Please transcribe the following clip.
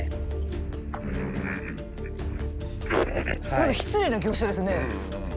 こちらは何か失礼な業者ですね。